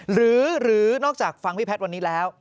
หรือนอกจากฟังพี่แพทย์วันนี้แล้ว